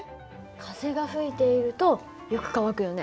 風が吹いているとよく乾くよね。